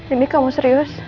ini kamu serius